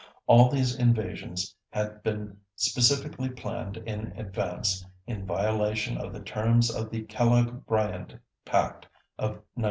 All these invasions had been specifically planned in advance, in violation of the terms of the Kellogg Briand Pact of 1928.